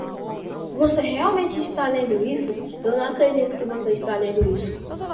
você realmente está lendo isso? eu não acredito que você está lendo isso!